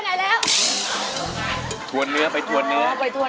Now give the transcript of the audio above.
น้อยดูลายมอนมานี่ก่อน